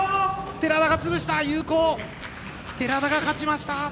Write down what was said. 寺田が勝ちました！